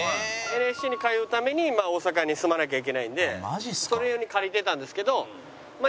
ＮＳＣに通うために大阪に住まなきゃいけないんでそれ用に借りてたんですけどま